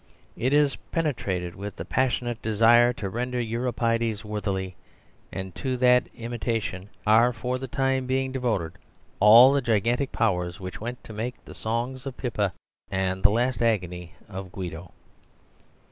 It is penetrated with the passionate desire to render Euripides worthily, and to that imitation are for the time being devoted all the gigantic powers which went to make the songs of Pippa and the last agony of Guido.